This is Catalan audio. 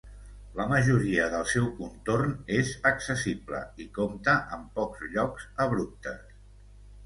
La majoria del seu contorn és accessible i compta amb pocs llocs abruptes.